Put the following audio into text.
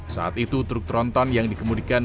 saat itu truk tronton yang dikemudikan